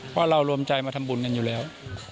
เพราะเรารวมใจมาทำบุญกันอยู่แล้ว